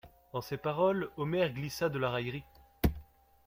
En ces paroles, Omer glissa de la raillerie.